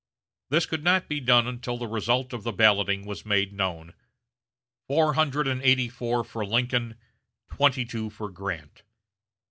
This could not be done until the result of the balloting was made known four hundred and eighty four for Lincoln, twenty two for Grant.